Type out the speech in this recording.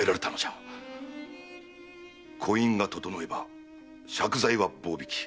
婚姻が整えば借財は棒引き。